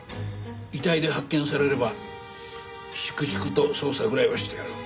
遺体で発見されれば粛々と捜査ぐらいはしてやる。